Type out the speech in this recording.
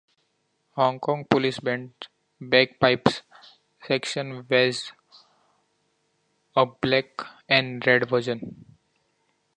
Hong Kong Police Band bagpipes section wears a black and red version.